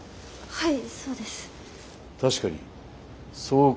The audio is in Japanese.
はい。